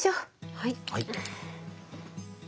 はい。